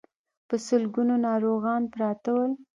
په سلګونو ناروغان پراته ول.